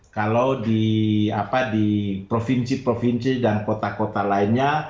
kalau di provinsi provinsi dan kota kota lainnya